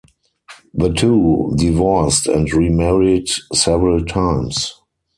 The two divorced and remarried several times.